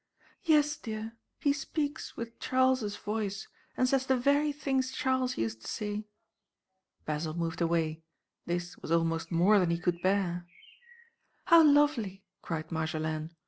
"Yes, dear, he speaks with Charles's voice, and says the very things Charles used to say." Basil moved away. This was almost more than he could bear. "How lovely!" cried Marjolaine.